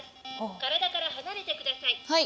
体から離れて下さい。